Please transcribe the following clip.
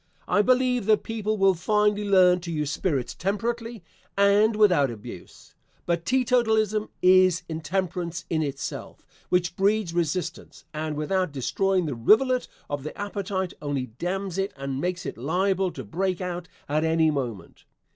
I believe that people will finally learn to use spirits temperately and without abuse, but teetotalism is intemperance in itself, which breeds resistance, and without destroying the rivulet of the appetite only dams it and makes it liable to break out at any moment.